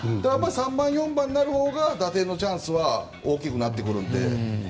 ３番、４番のほうが打点のチャンスは大きくなってくるので。